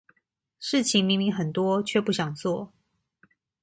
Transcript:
事情明明很多卻不想做